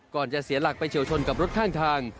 จะเสียหลักไปเฉียวชนกับรถข้างทาง